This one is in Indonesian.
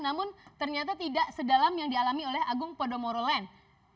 namun ternyata tidak sedalam yang dialami oleh agung podomoro land